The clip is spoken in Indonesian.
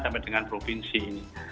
sampai dengan provinsi ini